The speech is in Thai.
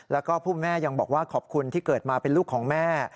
แล้วก็ผู้แม่ยังบอกว่าขอบคุณที่เกิดมาเป็นลูกของแม่